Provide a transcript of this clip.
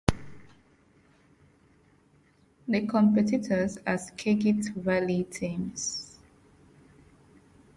The competitors are Skagit Valley teams.